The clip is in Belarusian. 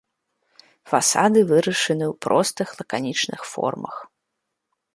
Фасады вырашаны ў простых лаканічных формах.